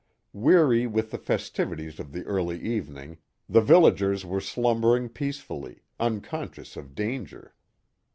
Weary with the festivities of the early evening, the vil lagers were slumbering peacefully, unconscious of danger.